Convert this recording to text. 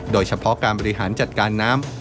โดยเฉพาะการบริหารจัดการน้ำ